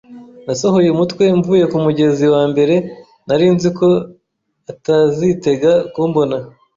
nasohoye umutwe mvuye kumugenzi wambere. Nari nzi ko atazitega kumbona